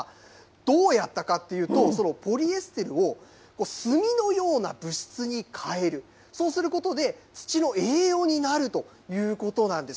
どうやったかっていうと、そのポリエステルを炭のような物質にかえる、そうすることで、土の栄養になるということなんです。